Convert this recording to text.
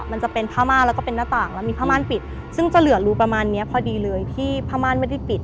มันจะเป็นผ้าม่าแล้วก็เป็นหน้าต่างแล้วมีผ้าม่านปิดซึ่งจะเหลือรูประมาณเนี้ยพอดีเลยที่ผ้าม่านไม่ได้ปิด